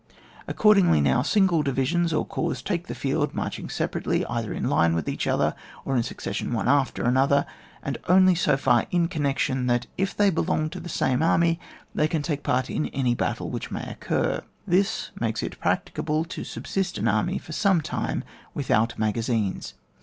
Accordingly, now, single divisions or corps take the fleld, marching separately either in line with each other, or in suc cession one after another, and only so far in connection, that, if they belong to the same army, they can take part in any battle which may occur. This makes it practicable to subsist, an army for a time without magazines.